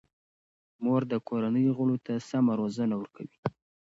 مور د کورنۍ غړو ته سمه روزنه ورکوي.